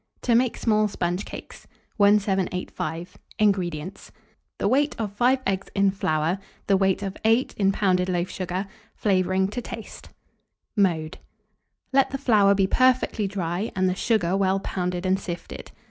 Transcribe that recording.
TO MAKE SMALL SPONGE CAKES. 1785. INGREDIENTS. The weight of 5 eggs in flour, the weight of 8 in pounded loaf sugar; flavouring to taste. Mode. Let the flour be perfectly dry, and the sugar well pounded and sifted.